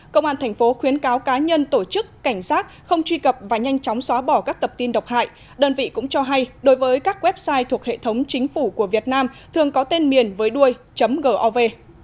công an thành phố khuyến cáo cá nhân tổ chức cảnh sát không truy cập và nhanh chóng xóa bỏ các tập tin độc hại đơn vị cũng cho hay đối với các website thuộc hệ thống chính phủ của việt nam thường có tên miền với đuôi gov